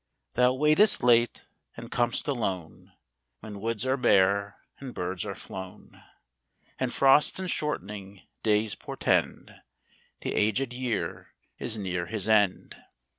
Thou waitest late and com'st alone, When woods are bare and birds are flown, And frosts and shortening days portend The aged year is near his end.